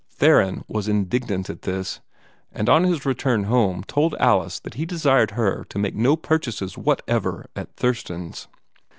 Theron was indignant at this, and on his return home told Alice that he desired her to make no purchases whatever at "Thurston's."